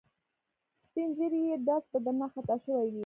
سپین ږیری یې ډز به درنه خطا شوی وي.